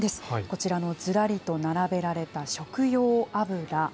こちらのずらりと並べられた食用油。